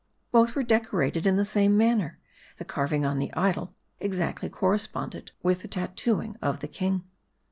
Both were decorated in the same manner ; the carving on the idol exactly corresponding with the tat tooing of the king.